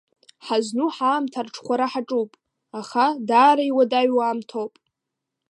Ҳазнуҳаамҭаарҽхәараҳаҿуп, ахадаараиуадаҩу аамҭоуп.